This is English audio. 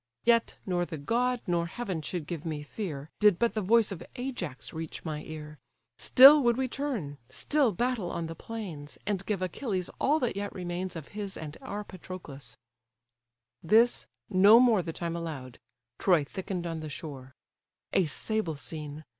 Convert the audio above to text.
Yet, nor the god, nor heaven, should give me fear, Did but the voice of Ajax reach my ear: Still would we turn, still battle on the plains, And give Achilles all that yet remains Of his and our Patroclus—" This, no more The time allow'd: Troy thicken'd on the shore. A sable scene!